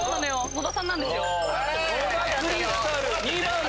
野田さんなんですよ。